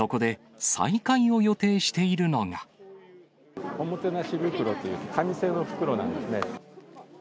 そこで、おもてなし袋という、紙製の袋なんですね。